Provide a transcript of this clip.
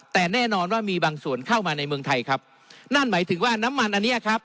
แต่แน่นอนว่ามีบางส่วนเข้ามาในเมืองไทยครับนั่นหมายถึงว่าน้ำมันอันเนี้ยครับ